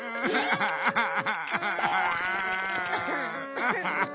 ハハハハ！